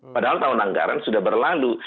padahal tahun anggaran sudah berlalu